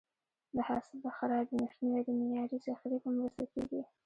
د حاصل د خرابي مخنیوی د معیاري ذخیرې په مرسته کېږي.